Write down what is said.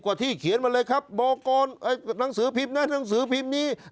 ที่เขียนมาเลยครับบอกกรหนังสือพิมพ์นะหนังสือพิมพ์นี้